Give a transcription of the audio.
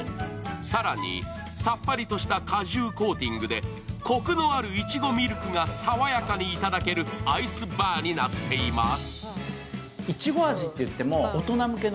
更に、さっぱりとした果汁コーティングでコクのあるいちごミルクが爽やかにいただけるアイスバーになっています。